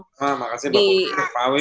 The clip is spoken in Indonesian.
terima kasih pak awi